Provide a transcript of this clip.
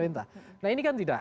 nah ini kan tidak